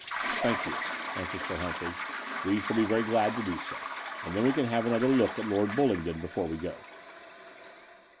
"Thank you," answered Sir Humphrey, "we shall be very glad to do so; and then we can have another look at Lord BuUingdon before we go."